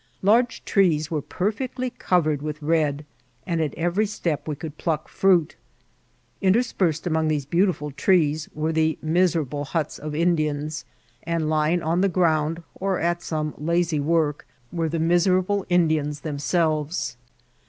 Large trees were perfectly covered vrith red, and at every step we conld jduck fridt. Interspersed among these beau tifiil trees were the miserable huts of Indians, and lying on the ground, ot at some lasy work, were the misera ble Indians th^nselves.